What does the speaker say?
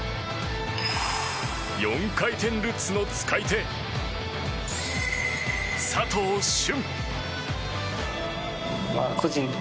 ４回転ルッツの使い手佐藤駿。